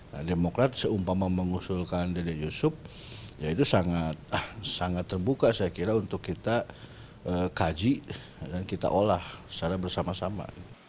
nah demokrat seumpama mengusulkan dede yusuf ya itu sangat terbuka saya kira untuk kita kaji dan kita olah secara bersama sama